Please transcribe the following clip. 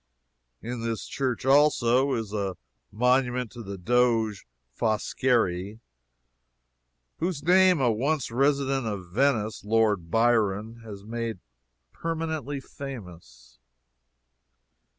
In this church, also, is a monument to the doge Foscari, whose name a once resident of Venice, Lord Byron, has made permanently famous.